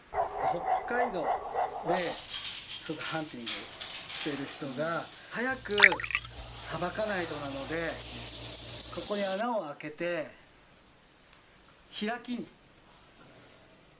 北海道でハンティングしてる人が早くさばかないとなのでここに穴を開けて開きに。